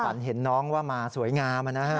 เห็นน้องว่ามาสวยงามนะฮะ